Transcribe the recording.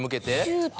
シュート。